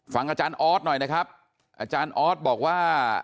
ฟังอาจารย์ออสหน่อยนะครับอาจารย์ออสบอกว่า